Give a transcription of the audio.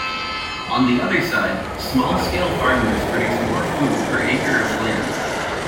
On the other side, small-scale farmers produce more food per acre of land.